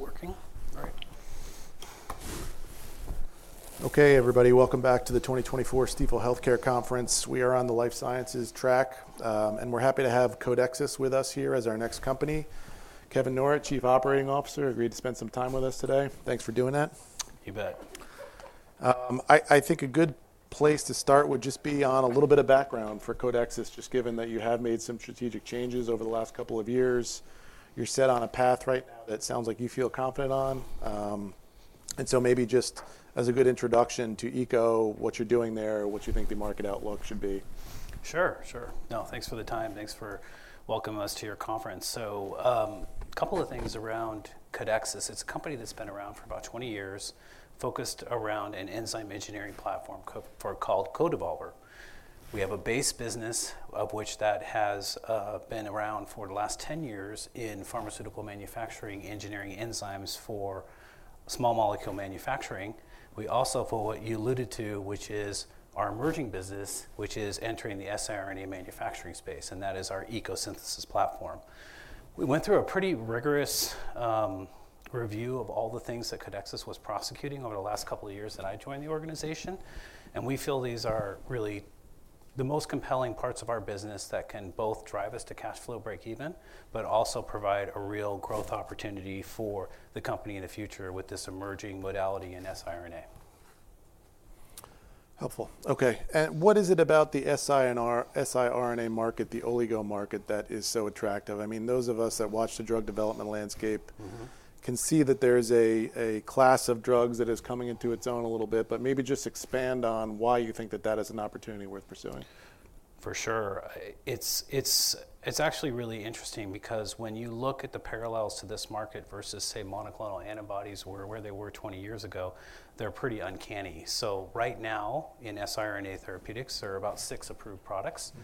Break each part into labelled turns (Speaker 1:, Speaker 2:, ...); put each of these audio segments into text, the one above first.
Speaker 1: It's working. All right. Okay, everybody, welcome back to the 2024 Stifel Healthcare Conference. We are on the life sciences track, and we're happy to have Codexis with us here as our next company. Kevin Norrett, Chief Operating Officer, agreed to spend some time with us today. Thanks for doing that.
Speaker 2: You bet.
Speaker 1: I think a good place to start would just be on a little bit of background for Codexis, just given that you have made some strategic changes over the last couple of years. You're set on a path right now that sounds like you feel confident on. And so maybe just as a good introduction to ECO, what you're doing there, what you think the market outlook should be.
Speaker 2: Sure. No, thanks for the time. Thanks for welcoming us to your conference, so a couple of things around Codexis. It's a company that's been around for about 20 years, focused around an enzyme engineering platform called CodeEvolver. We have a base business of which that has been around for the last 10 years in pharmaceutical manufacturing, engineering enzymes for small molecule manufacturing. We also, for what you alluded to, which is our emerging business, which is entering the siRNA manufacturing space, and that is our ECO Synthesis platform. We went through a pretty rigorous review of all the things that Codexis was prosecuting over the last couple of years that I joined the organization. We feel these are really the most compelling parts of our business that can both drive us to cash flow breakeven, but also provide a real growth opportunity for the company in the future with this emerging modality in siRNA.
Speaker 1: Helpful. Okay. And what is it about the siRNA market, the oligo market, that is so attractive? I mean, those of us that watch the drug development landscape can see that there's a class of drugs that is coming into its own a little bit. But maybe just expand on why you think that that is an opportunity worth pursuing.
Speaker 2: For sure. It's actually really interesting because when you look at the parallels to this market versus, say, monoclonal antibodies where they were 20 years ago, they're pretty uncanny, so right now in siRNA therapeutics, there are about six approved products,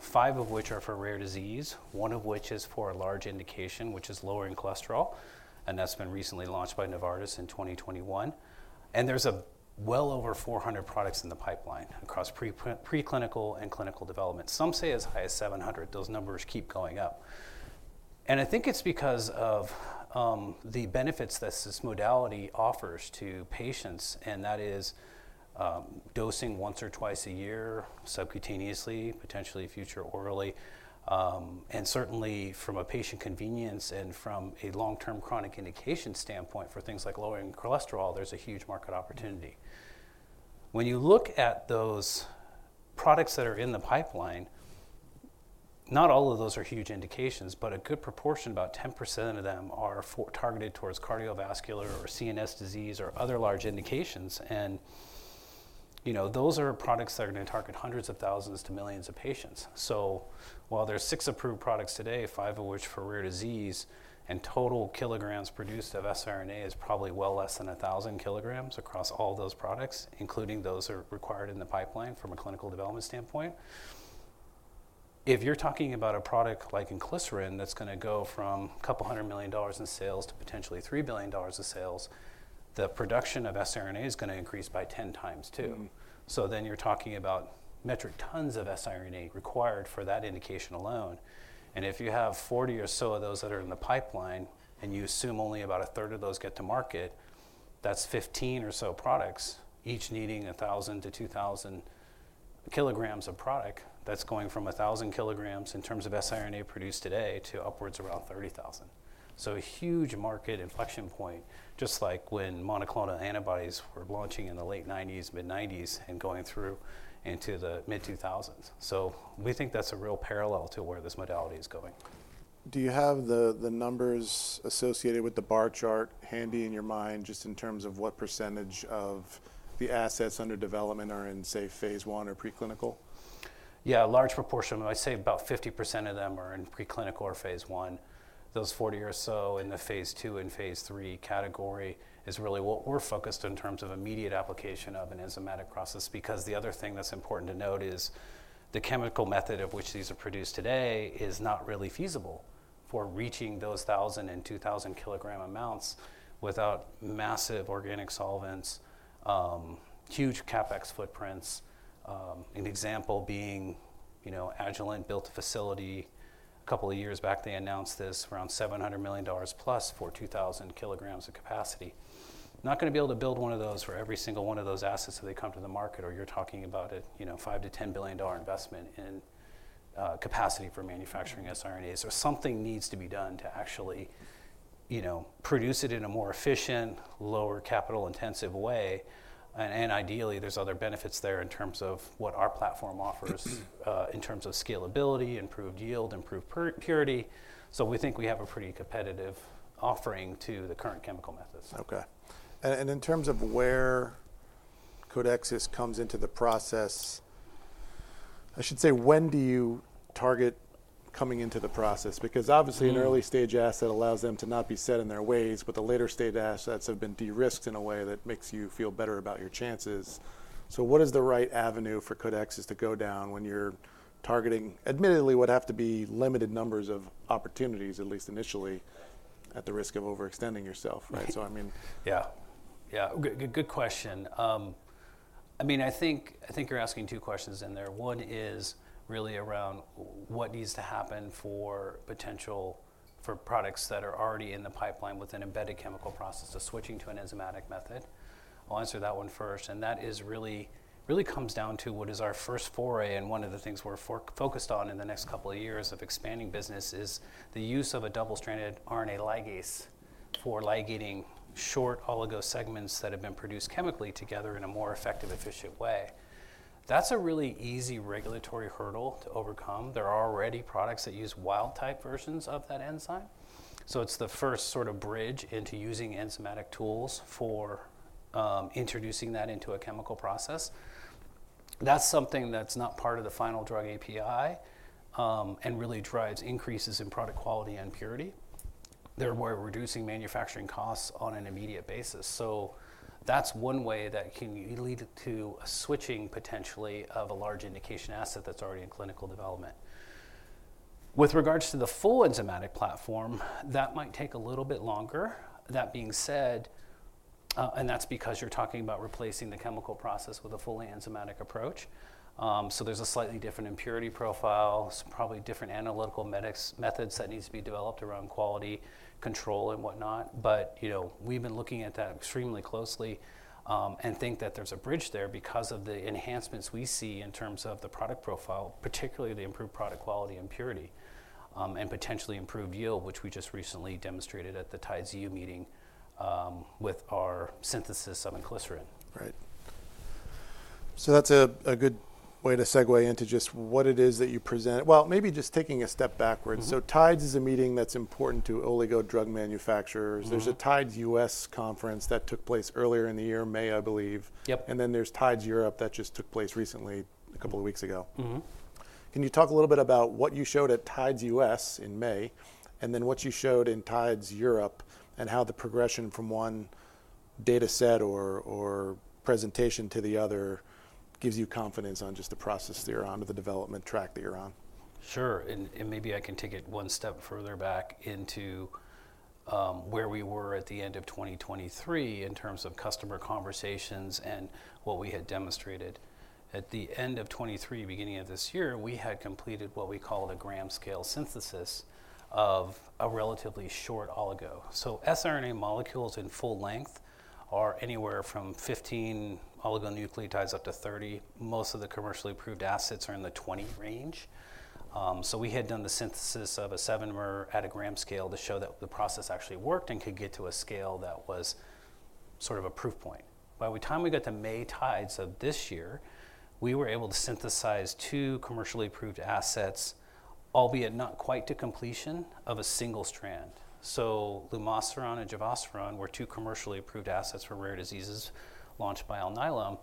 Speaker 2: five of which are for rare disease, one of which is for a large indication, which is lowering cholesterol, and that's been recently launched by Novartis in 2021, and there's well over 400 products in the pipeline across preclinical and clinical development, some say as high as 700. Those numbers keep going up, and I think it's because of the benefits that this modality offers to patients, and that is dosing once or twice a year, subcutaneously, potentially future orally, and certainly from a patient convenience and from a long-term chronic indication standpoint for things like lowering cholesterol, there's a huge market opportunity. When you look at those products that are in the pipeline, not all of those are huge indications, but a good proportion, about 10% of them are targeted towards cardiovascular or CNS disease or other large indications. And those are products that are going to target hundreds of thousands to millions of patients. So while there are six approved products today, five of which for rare disease, and total kilograms produced of siRNA is probably well less than 1,000 kilograms across all those products, including those that are required in the pipeline from a clinical development standpoint. If you're talking about a product like inclisiran that's going to go from $200 million in sales to potentially $3 billion of sales, the production of siRNA is going to increase by 10x too. So then you're talking about metric tons of siRNA required for that indication alone. And if you have 40 or so of those that are in the pipeline and you assume only about a third of those get to market, that's 15 or so products, each needing 1,000 to 2,000 kilograms of product that's going from 1,000 kilograms in terms of siRNA produced today to upwards around 30,000. So a huge market inflection point, just like when monoclonal antibodies were launching in the late 1990s, mid-1990s and going through into the mid-2000s. So we think that's a real parallel to where this modality is going.
Speaker 1: Do you have the numbers associated with the bar chart handy in your mind, just in terms of what percentage of the assets under development are in, say, phase I or preclinical?
Speaker 2: Yeah, a large proportion of, I'd say about 50% of them are in preclinical phase I. those 40 or so in the phase II and TIDES category is really what we're focused on in terms of immediate application of an enzymatic process. Because the other thing that's important to note is the chemical method of which these are produced today is not really feasible for reaching those 1,000 to 2,000 kilogram amounts without massive organic solvents, huge CapEx footprints, an example being Agilent built a facility a couple of years back. They announced this around $700 million plus for 2,000 kilograms of capacity. Not going to be able to build one of those for every single one of those assets that they come to the market, or you're talking about a $5 to 10 billion investment in capacity for manufacturing siRNAs. So something needs to be done to actually produce it in a more efficient, lower capital intensive way. And ideally, there's other benefits there in terms of what our platform offers in terms of scalability, improved yield, improved purity. So we think we have a pretty competitive offering to the current chemical methods. Okay. And in terms of where Codexis comes into the process, I should say, when do you target coming into the process? Because obviously an early stage asset allows them to not be set in their ways, but the later stage assets have been de-risked in a way that makes you feel better about your chances. So what is the right avenue for Codexis to go down when you're targeting, admittedly, what have to be limited numbers of opportunities, at least initially, at the risk of overextending yourself, right? So I mean.
Speaker 1: Yeah. Good question. I mean, I think you're asking two questions in there. One is really around what needs to happen for potential for products that are already in the pipeline with an embedded chemical process, so switching to an enzymatic method. I'll answer that one first, and that really comes down to what is our first foray and one of the things we're focused on in the next couple of years of expanding business is the use of a double-stranded RNA ligase for ligating short oligo segments that have been produced chemically together in a more effective, efficient way. That's a really easy regulatory hurdle to overcome. There are already products that use wild type versions of that enzyme. So it's the first sort of bridge into using enzymatic tools for introducing that into a chemical process. That's something that's not part of the final drug API and really drives increases in product quality and purity. They're more reducing manufacturing costs on an immediate basis. So that's one way that can lead to switching potentially of a large indication asset that's already in clinical development. With regards to the full enzymatic platform, that might take a little bit longer. That being said, and that's because you're talking about replacing the chemical process with a fully enzymatic approach. So there's a slightly different impurity profile, probably different analytical methods that need to be developed around quality control and whatnot. But we've been looking at that extremely closely and think that there's a bridge there because of the enhancements we see in terms of the product profile, particularly the improved product quality and purity and potentially improved yield, which we just recently demonstrated at the TIDES USA meeting with our synthesis of inclisiran. Right. That's a good way to segue into just what it is that you present. Maybe just taking a step backward. TIDES is a meeting that's important to oligo drug manufacturers. There's a TIDES US conference that took place earlier in the year, May, I believe. Then there's TIDES Europe that just took place recently, a couple of weeks ago. Can you talk a little bit about what you showed at TIDES US in May and then what you showed in TIDES Europe and how the progression from one data set or presentation to the other gives you confidence on just the process that you're on or the development track that you're on?
Speaker 2: Sure. And maybe I can take it one step further back into where we were at the end of 2023 in terms of customer conversations and what we had demonstrated. At the end of 2023, beginning of this year, we had completed what we call the gram-scale synthesis of a relatively short oligo. So siRNA molecules in full length are anywhere from 15 oligonucleotides up to 30. Most of the commercially approved assets are in the 20 range. So we had done the synthesis of a 7-mer at a gram scale to show that the process actually worked and could get to a scale that was sort of a proof point. By the time we got to mid-May of this year, we were able to synthesize two commercially approved assets, albeit not quite to completion of a single strand. Lumasiran and Givosiran were two commercially approved assets for rare diseases launched by Alnylam.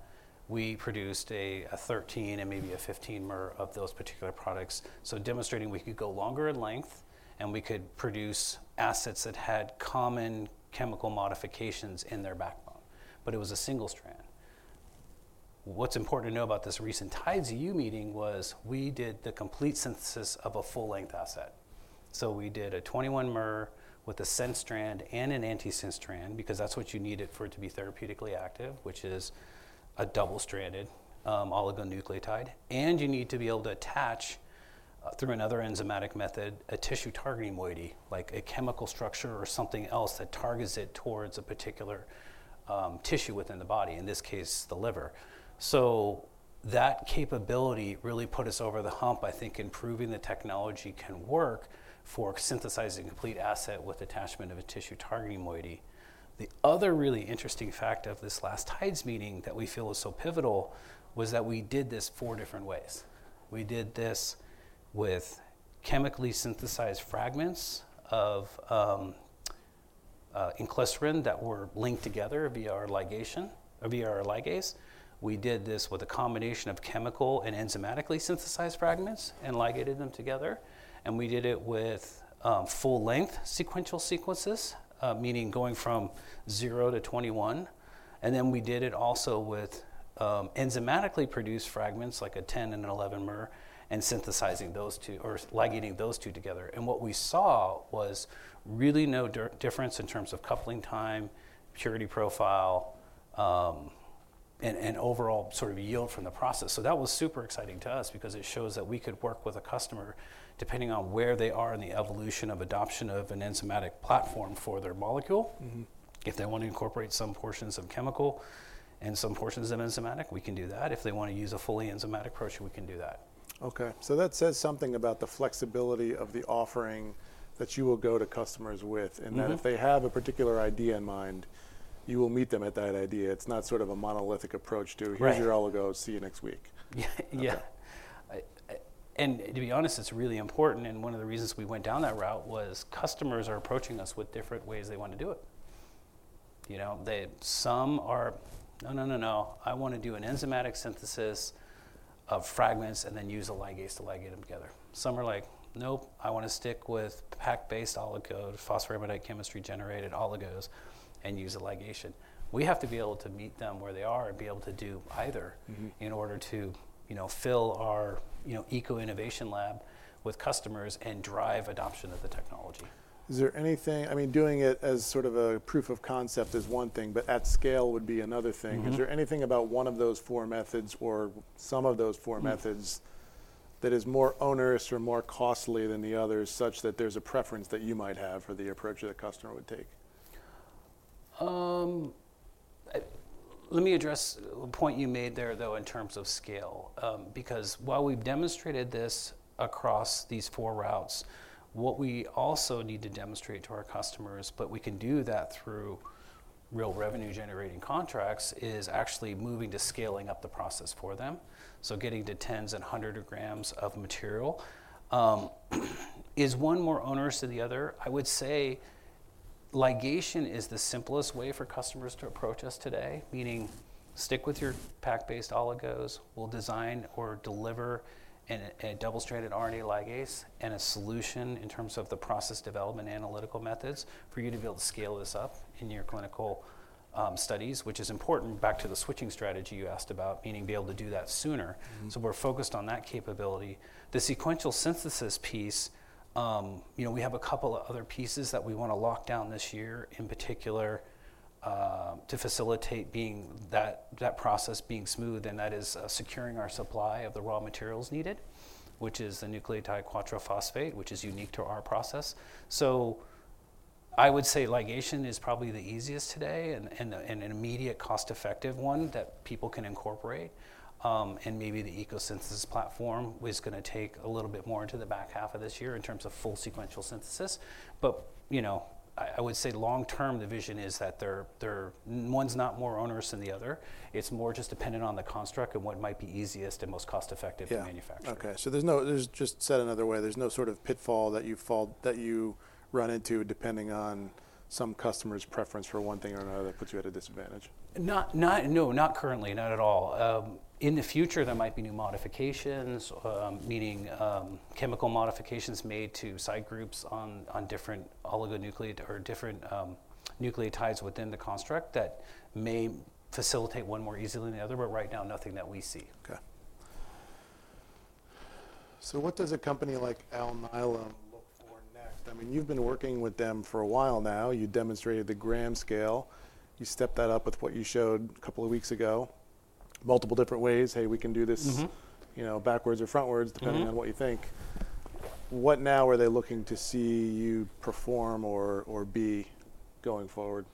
Speaker 2: We produced a 13-mer and maybe a 15-mer of those particular products. Demonstrating we could go longer in length and we could produce assets that had common chemical modifications in their backbone. But it was a single strand. What's important to know about this recent TIDES USA meeting was we did the complete synthesis of a full-length asset. We did a 21-mer with a sense strand and an antisense strand because that's what you needed for it to be therapeutically active, which is a double-stranded oligonucleotide. You need to be able to attach through another enzymatic method, a tissue targeting moiety, like a chemical structure or something else that targets it towards a particular tissue within the body, in this case, the liver. So that capability really put us over the hump, I think, in proving the technology can work for synthesizing a complete asset with attachment of a tissue targeting moiety. The other really interesting fact of this last TIDES meeting that we feel is so pivotal was that we did this four different ways. We did this with chemically synthesized fragments of inclisiran that were linked together via our ligase. We did this with a combination of chemical and enzymatically synthesized fragments and ligated them together. And we did it with full-length sequential sequences, meaning going from 0 to 21. And then we did it also with enzymatically produced fragments like a 10-mer and 11-mer and synthesizing those two or ligating those two together. And what we saw was really no difference in terms of coupling time, purity profile, and overall sort of yield from the process. That was super exciting to us because it shows that we could work with a customer depending on where they are in the evolution of adoption of an enzymatic platform for their molecule. If they want to incorporate some portions of chemical and some portions of enzymatic, we can do that. If they want to use a fully enzymatic approach, we can do that.
Speaker 1: Okay, so that says something about the flexibility of the offering that you will go to customers with and that if they have a particular idea in mind, you will meet them at that idea. It's not sort of a monolithic approach to here's your oligo, see you next week.
Speaker 2: Yeah. And to be honest, it's really important. And one of the reasons we went down that route was customers are approaching us with different ways they want to do it. Some are, no, no, no, no, I want to do an enzymatic synthesis of fragments and then use a ligase to ligate them together. Some are like, nope, I want to stick with PAC-based oligo phosphoramidite chemistry generated oligos and use a ligation. We have to be able to meet them where they are and be able to do either in order to fill our ECO Innovation Lab with customers and drive adoption of the technology.
Speaker 1: Is there anything, I mean, doing it as sort of a proof of concept is one thing, but at scale would be another thing. Is there anything about one of those four methods or some of those four methods that is more onerous or more costly than the others such that there's a preference that you might have for the approach that a customer would take?
Speaker 2: Let me address a point you made there though in terms of scale. Because while we've demonstrated this across these four routes, what we also need to demonstrate to our customers, but we can do that through real revenue-generating contracts, is actually moving to scaling up the process for them. So getting to tens and hundreds of grams of material is one more onerous than the other. I would say ligation is the simplest way for customers to approach us today, meaning stick with your pack-based oligos. We'll design or deliver a double-stranded RNA ligase and a solution in terms of the process development analytical methods for you to be able to scale this up in your clinical studies, which is important back to the switching strategy you asked about, meaning be able to do that sooner. So we're focused on that capability. The sequential synthesis piece, we have a couple of other pieces that we want to lock down this year in particular to facilitate that process being smooth, and that is securing our supply of the raw materials needed, which is the nucleotide quadraphosphate, which is unique to our process. So I would say ligation is probably the easiest today and an immediate cost-effective one that people can incorporate. And maybe the ECO synthesis platform is going to take a little bit more into the back half of this year in terms of full sequential synthesis. But I would say long term, the vision is that there one's not more onerous than the other. It's more just dependent on the construct and what might be easiest and most cost-effective to manufacture.
Speaker 1: Yeah. Okay. So, just said another way, there's no sort of pitfall that you run into depending on some customer's preference for one thing or another that puts you at a disadvantage.
Speaker 2: No, not currently, not at all. In the future, there might be new modifications, meaning chemical modifications made to side groups on different oligonucleotide or different nucleotides within the construct that may facilitate one more easily than the other, but right now, nothing that we see.
Speaker 1: Okay, so what does a company like Alnylam look for next? I mean, you've been working with them for a while now. You demonstrated the gram-scale. You stepped that up with what you showed a couple of weeks ago, multiple different ways. Hey, we can do this backwards or frontwards depending on what you think. What now are they looking to see you perform or be going forward?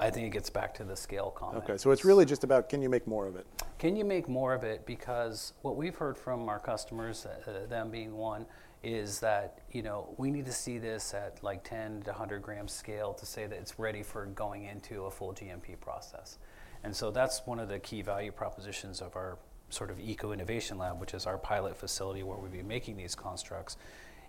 Speaker 2: I think it gets back to the scale comment.
Speaker 1: Okay, so it's really just about can you make more of it?
Speaker 2: Can you make more of it? Because what we've heard from our customers, them being one, is that we need to see this at like 10 to 100 gram scale to say that it's ready for going into a full GMP process, and so that's one of the key value propositions of our sort of ECO Innovation Lab, which is our pilot facility where we've been making these constructs,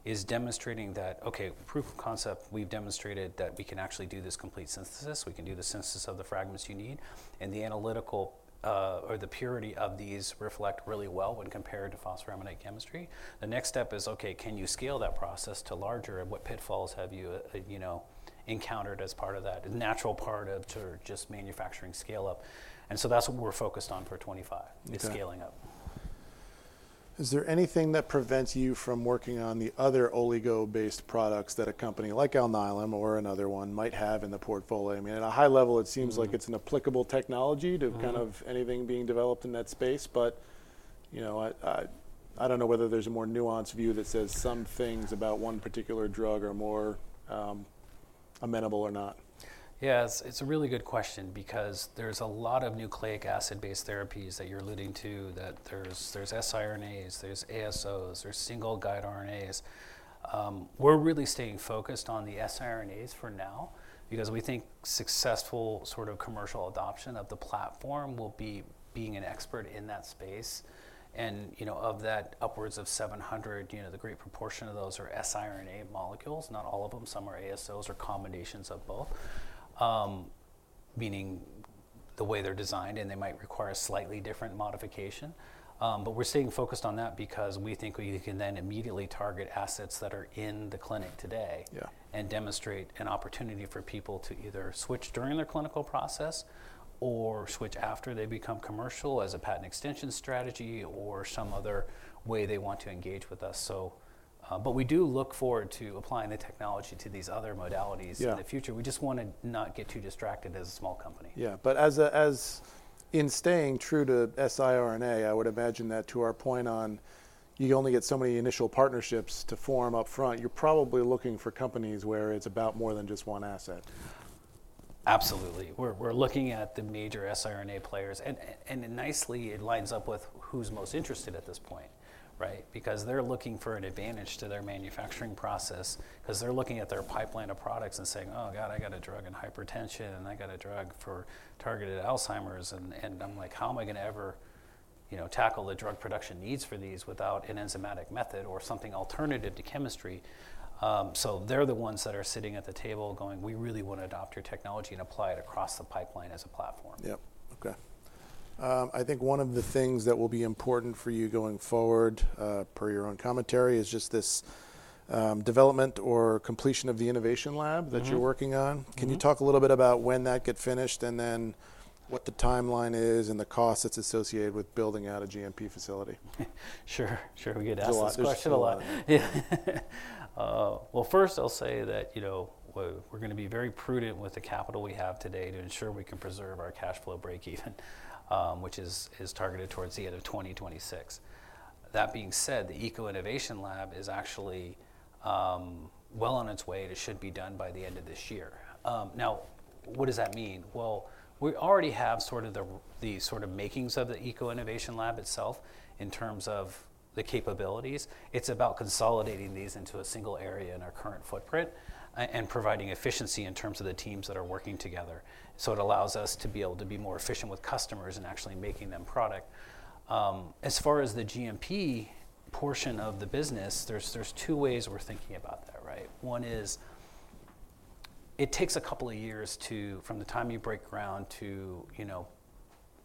Speaker 2: is demonstrating that, okay, proof of concept, we've demonstrated that we can actually do this complete synthesis. We can do the synthesis of the fragments you need, and the analytical or the purity of these reflect really well when compared to phosphoramidite chemistry. The next step is, okay, can you scale that process to larger, and what pitfalls have you encountered as part of that natural part of just manufacturing scale-up? That's what we're focused on for 2025, is scaling up.
Speaker 1: Is there anything that prevents you from working on the other oligo-based products that a company like Alnylam or another one might have in the portfolio? I mean, at a high level, it seems like it's an applicable technology to kind of anything being developed in that space, but I don't know whether there's a more nuanced view that says some things about one particular drug are more amenable or not.
Speaker 2: Yeah, it's a really good question because there's a lot of nucleic acid-based therapies that you're alluding to, that there's siRNAs, there's ASOs, there's single guide RNAs. We're really staying focused on the siRNAs for now because we think successful sort of commercial adoption of the platform will be being an expert in that space, and of that upward of 700, the great proportion of those are siRNA molecules. Not all of them, some are ASOs or combinations of both, meaning the way they're designed, and they might require a slightly different modification, but we're staying focused on that because we think you can then immediately target assets that are in the clinic today and demonstrate an opportunity for people to either switch during their clinical process or switch after they become commercial as a patent extension strategy or some other way they want to engage with us. But we do look forward to applying the technology to these other modalities in the future. We just want to not get too distracted as a small company.
Speaker 1: Yeah, but in staying true to siRNA, I would imagine that to our point on you only get so many initial partnerships to form upfront, you're probably looking for companies where it's about more than just one asset.
Speaker 2: Absolutely. We're looking at the major siRNA players. And nicely, it lines up with who's most interested at this point, right? Because they're looking for an advantage to their manufacturing process because they're looking at their pipeline of products and saying, "Oh God, I got a drug in hypertension and I got a drug for targeted Alzheimer's." And I'm like, "How am I going to ever tackle the drug production needs for these without an enzymatic method or something alternative to chemistry?" So they're the ones that are sitting at the table going, "We really want to adopt your technology and apply it across the pipeline as a platform.
Speaker 1: Yep. Okay. I think one of the things that will be important for you going forward per your own commentary is just this development or completion of the innovation lab that you're working on. Can you talk a little bit about when that gets finished and then what the timeline is and the costs that's associated with building out a GMP facility?
Speaker 2: Sure. Sure. We get asked this question a lot. Well, first, I'll say that we're going to be very prudent with the capital we have today to ensure we can preserve our cash flow break even, which is targeted towards the end of 2026. That being said, the ECO Innovation Lab is actually well on its way. It should be done by the end of this year. Now, what does that mean? Well, we already have sort of the sort of makings of the ECO Innovation Lab itself in terms of the capabilities. It's about consolidating these into a single area in our current footprint and providing efficiency in terms of the teams that are working together. So it allows us to be able to be more efficient with customers and actually making them product. As far as the GMP portion of the business, there's two ways we're thinking about that, right? One is it takes a couple of years from the time you break ground to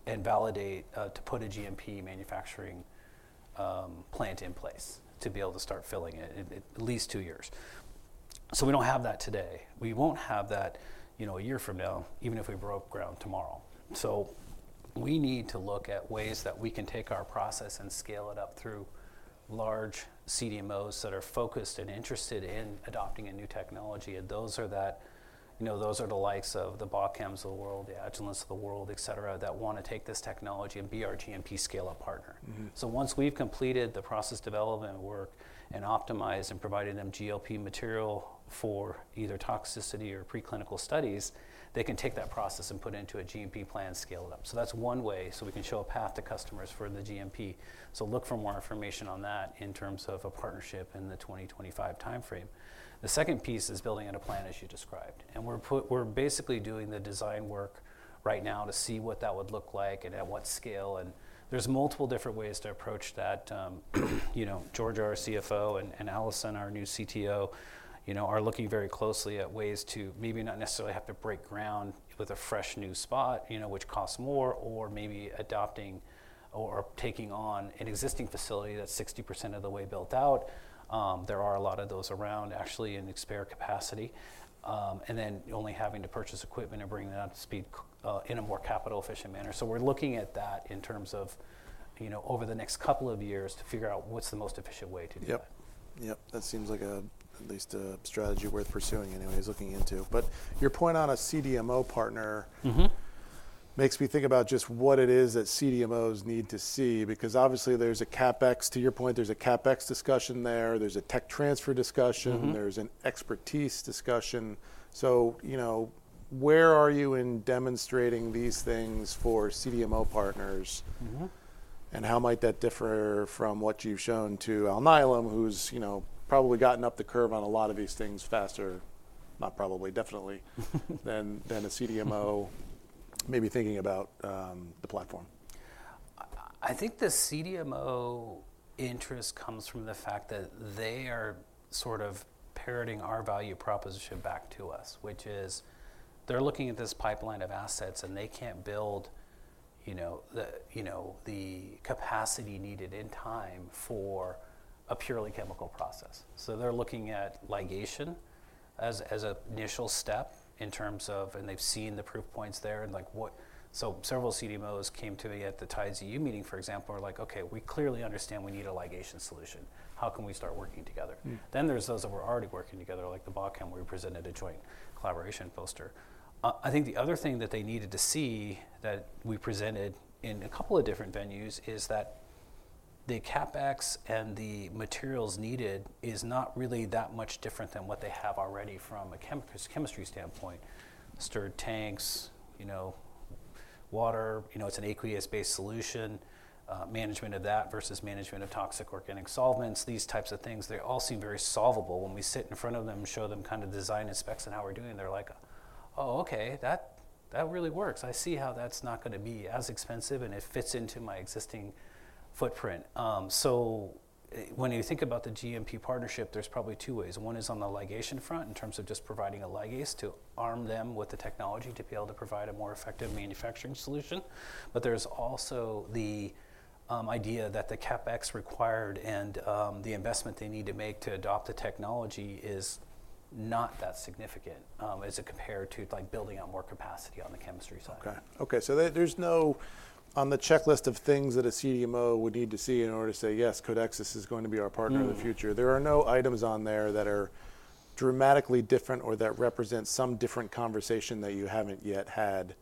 Speaker 2: validate, to put a GMP manufacturing plant in place to be able to start filling it, at least two years. So we don't have that today. We won't have that a year from now, even if we broke ground tomorrow. So we need to look at ways that we can take our process and scale it up through large CDMOs that are focused and interested in adopting a new technology. And those are the likes of the Bachems of the world, the Agilents of the world, etc., that want to take this technology and be our GMP scale-up partner. So once we've completed the process development work and optimized and provided them GLP material for either toxicity or preclinical studies, they can take that process and put it into a GMP plan, scale it up. So that's one way so we can show a path to customers for the GMP. So look for more information on that in terms of a partnership in the 2025 timeframe. The second piece is building out a plan, as you described. And we're basically doing the design work right now to see what that would look like and at what scale. And there's multiple different ways to approach that. Georgia, our CFO, and Alison, our new CTO, are looking very closely at ways to maybe not necessarily have to break ground with a fresh new spot, which costs more, or maybe adopting or taking on an existing facility that's 60% of the way built out. There are a lot of those around actually in excess capacity. And then only having to purchase equipment and bring that up to speed in a more capital-efficient manner. So we're looking at that in terms of over the next couple of years to figure out what's the most efficient way to do that.
Speaker 1: Yep. Yep. That seems like at least a strategy worth pursuing anyways, looking into. But your point on a CDMO partner makes me think about just what it is that CDMOs need to see because obviously there's a CapEx, to your point, there's a CapEx discussion there. There's a tech transfer discussion. There's an expertise discussion. So where are you in demonstrating these things for CDMO partners? And how might that differ from what you've shown to Alnylam, who's probably gotten up the curve on a lot of these things faster, not probably, definitely than a CDMO maybe thinking about the platform?
Speaker 2: I think the CDMO interest comes from the fact that they are sort of parroting our value proposition back to us, which is they're looking at this pipeline of assets and they can't build the capacity needed in time for a purely chemical process. So they're looking at ligation as an initial step in terms of, and they've seen the proof points there. And so several CDMOs came to me at the TIDES EU meeting, for example, were like, "Okay, we clearly understand we need a ligation solution. How can we start working together?" Then there's those that were already working together, like the Bachem, where we presented a joint collaboration poster. I think the other thing that they needed to see that we presented in a couple of different venues is that the CapEx and the materials needed is not really that much different than what they have already from a chemistry standpoint. Stirred tanks, water, it's an aqueous-based solution, management of that versus management of toxic organic solvents, these types of things. They all seem very solvable. When we sit in front of them and show them kind of design specs and how we're doing, they're like, "Oh, okay, that really works. I see how that's not going to be as expensive and it fits into my existing footprint." So when you think about the GMP partnership, there's probably two ways. One is on the ligation front in terms of just providing a ligase to arm them with the technology to be able to provide a more effective manufacturing solution. But there's also the idea that the CapEx required and the investment they need to make to adopt the technology is not that significant as compared to building out more capacity on the chemistry side.
Speaker 1: So there's no on the checklist of things that a CDMO would need to see in order to say, "Yes, Codexis is going to be our partner in the future." There are no items on there that are dramatically different or that represent some different conversation that you haven't yet had.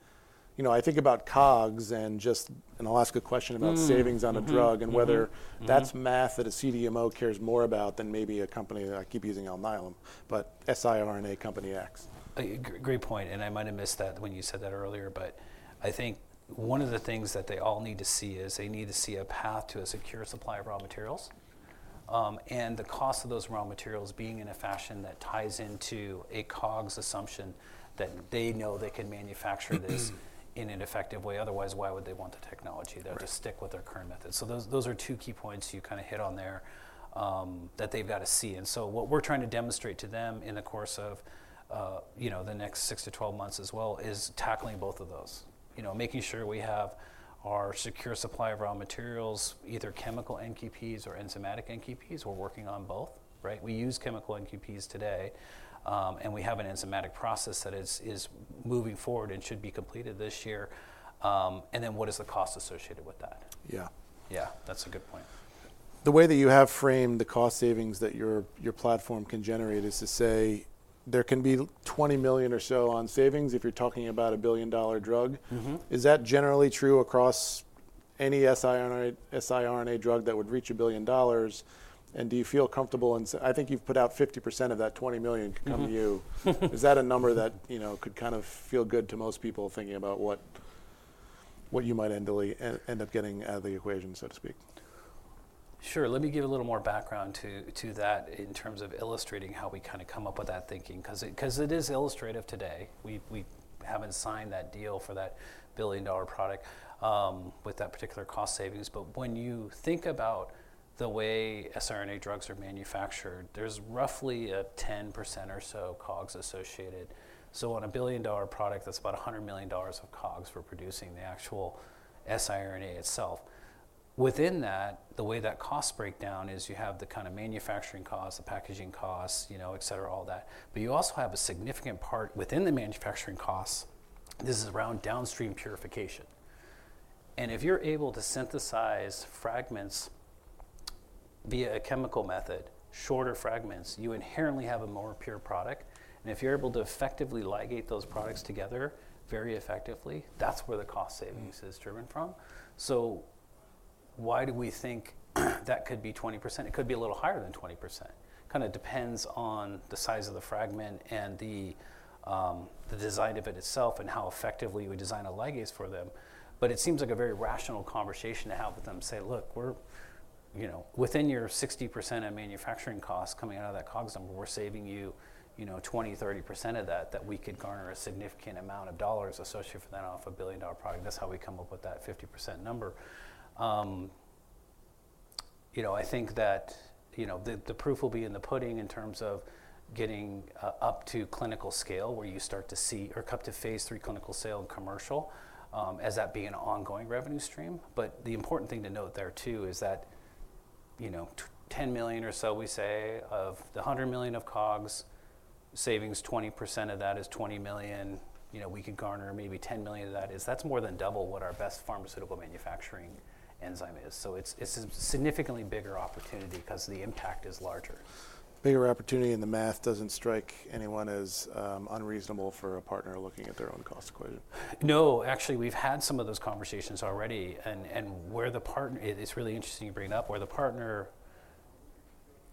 Speaker 1: I think about COGS and just, and I'll ask a question about savings on a drug and whether that's math that a CDMO cares more about than maybe a company that I keep using Alnylam, but siRNA company X.
Speaker 2: Great point. And I might have missed that when you said that earlier, but I think one of the things that they all need to see is they need to see a path to a secure supply of raw materials and the cost of those raw materials being in a fashion that ties into a COGS assumption that they know they can manufacture this in an effective way. Otherwise, why would they want the technology there to stick with their current methods? So those are two key points you kind of hit on there that they've got to see. And so what we're trying to demonstrate to them in the course of the next six to 12 months as well is tackling both of those, making sure we have our secure supply of raw materials, either chemical NQPs or enzymatic NQPs. We're working on both, right? We use chemical NQPs today, and we have an enzymatic process that is moving forward and should be completed this year. And then what is the cost associated with that?
Speaker 1: Yeah.
Speaker 2: Yeah, that's a good point.
Speaker 1: The way that you have framed the cost savings that your platform can generate is to say there can be $20 million or so in savings if you're talking about a $1 billion dollar drug. Is that generally true across any siRNA drug that would reach $1 billion? And do you feel comfortable? And I think you've put out 50% of that $20 million could come to you. Is that a number that could kind of feel good to most people thinking about what you might end up getting out of the equation, so to speak?
Speaker 2: Sure. Let me give a little more background to that in terms of illustrating how we kind of come up with that thinking because it is illustrative today. We haven't signed that deal for that billion-dollar product with that particular cost savings. But when you think about the way siRNA drugs are manufactured, there's roughly a 10% or so COGS associated. So on a billion-dollar product, that's about $100 million of COGS for producing the actual siRNA itself. Within that, the way that cost breakdown is you have the kind of manufacturing costs, the packaging costs, etc., all that. But you also have a significant part within the manufacturing costs. This is around downstream purification. And if you're able to synthesize fragments via a chemical method, shorter fragments, you inherently have a more pure product. If you're able to effectively ligate those products together very effectively, that's where the cost savings is driven from. So why do we think that could be 20%? It could be a little higher than 20%. Kind of depends on the size of the fragment and the design of it itself and how effectively we design a ligase for them. But it seems like a very rational conversation to have with them say, "Look, within your 60% of manufacturing costs coming out of that COGS number, we're saving you 20%-30% of that, that we could garner a significant amount of dollars associated for that off a $1 billion product." That's how we come up with that 50% number. I think that the proof will be in the pudding in terms of getting up to clinical scale where you start to see or come to phase three clinical scale and commercial as that being an ongoing revenue stream. But the important thing to note there too is that $10 million or so, we say, of the $100 million of COGS savings, 20% of that is $20 million. We could garner maybe $10 million of that. That's more than double what our best pharmaceutical manufacturing enzyme is. So it's a significantly bigger opportunity because the impact is larger.
Speaker 1: Bigger opportunity and the math doesn't strike anyone as unreasonable for a partner looking at their own cost equation.
Speaker 2: No, actually, we've had some of those conversations already, and where the partner, it's really interesting to bring it up, where the partner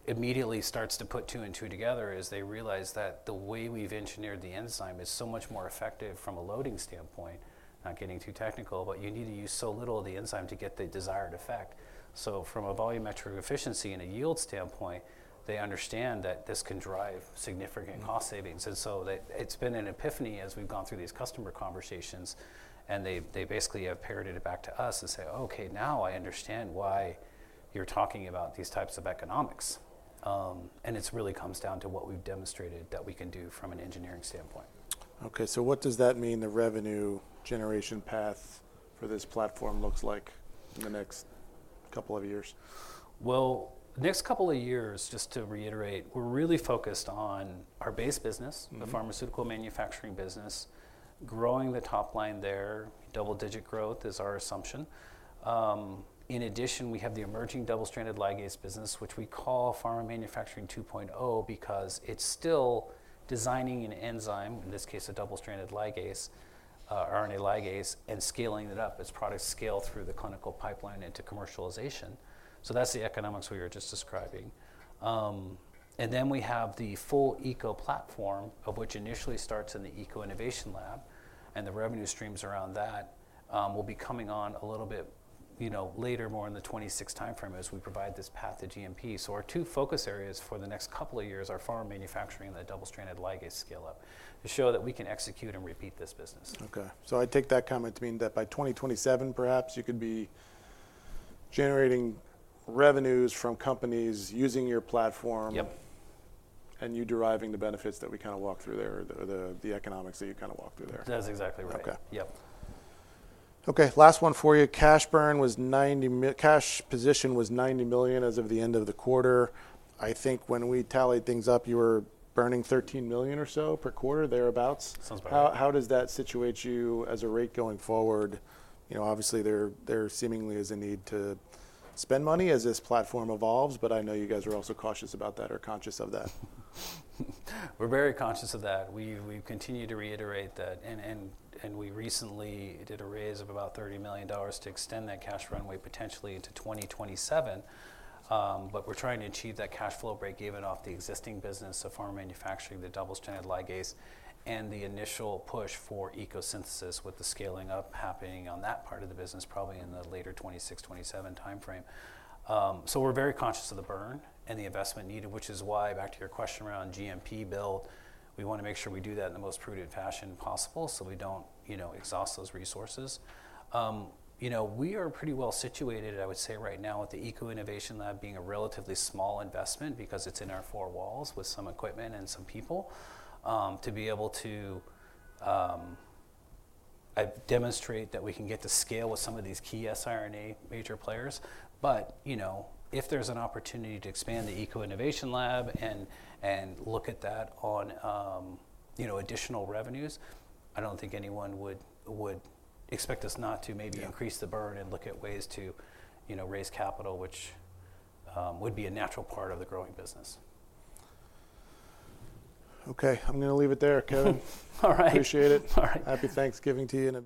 Speaker 2: immediately starts to put two and two together is they realize that the way we've engineered the enzyme is so much more effective from a loading standpoint, not getting too technical, but you need to use so little of the enzyme to get the desired effect, so from a volumetric efficiency and a yield standpoint, they understand that this can drive significant cost savings, and so it's been an epiphany as we've gone through these customer conversations, and they basically have parroted it back to us and say, "Okay, now I understand why you're talking about these types of economics." And it really comes down to what we've demonstrated that we can do from an engineering standpoint.
Speaker 1: Okay, so what does that mean the revenue generation path for this platform looks like in the next couple of years?
Speaker 2: Next couple of years, just to reiterate, we're really focused on our base business, the pharmaceutical manufacturing business, growing the top line there. Double-digit growth is our assumption. In addition, we have the emerging double-stranded ligase business, which we call pharma manufacturing 2.0 because it's still designing an enzyme, in this case, a double-stranded ligase, RNA ligase, and scaling it up as products scale through the clinical pipeline into commercialization. So that's the economics we were just describing, and then we have the full ECO platform, of which initially starts in the ECO Innovation Lab, and the revenue streams around that will be coming on a little bit later, more in the 2026 timeframe as we provide this path to GMP. Our two focus areas for the next couple of years are pharma manufacturing and that double-stranded ligase scale-up to show that we can execute and repeat this business.
Speaker 1: Okay. So I take that comment to mean that by 2027, perhaps you could be generating revenues from companies using your platform and you deriving the benefits that we kind of walked through there, or the economics that you kind of walked through there.
Speaker 2: That's exactly right.
Speaker 1: Okay. Yep. Okay. Last one for you. Cash burn was $90 million, cash position was $90 million as of the end of the quarter. I think when we tallied things up, you were burning $13 million or so per quarter, thereabouts.
Speaker 2: Sounds about right.
Speaker 1: How does that situate you as a rate going forward? Obviously, there seemingly is a need to spend money as this platform evolves, but I know you guys are also cautious about that or conscious of that.
Speaker 2: We're very conscious of that. We continue to reiterate that, and we recently did a raise of about $30 million to extend that cash runway potentially to 2027. But we're trying to achieve that cash flow breakeven off the existing business of pharma manufacturing, the double-stranded ligase, and the initial push for ECO Synthesis with the scaling up happening on that part of the business probably in the later 2026-2027 timeframe. So we're very conscious of the burn and the investment needed, which is why, back to your question around GMP build, we want to make sure we do that in the most prudent fashion possible so we don't exhaust those resources. We are pretty well situated, I would say right now, with the ECO Innovation Lab being a relatively small investment because it's in our four walls with some equipment and some people to be able to demonstrate that we can get to scale with some of these key siRNA major players. But if there's an opportunity to expand the ECO Innovation Lab and look at that on additional revenues, I don't think anyone would expect us not to maybe increase the burn and look at ways to raise capital, which would be a natural part of the growing business.
Speaker 1: Okay. I'm going to leave it there, Kevin.
Speaker 2: All right.
Speaker 1: Appreciate it.
Speaker 2: All right.
Speaker 1: Happy Thanksgiving to you.